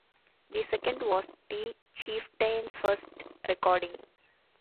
The second was the Chieftains first recording.